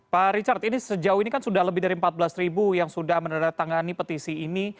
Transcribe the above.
pak richard ini sejauh ini kan sudah lebih dari empat belas ribu yang sudah meneratangani petisi ini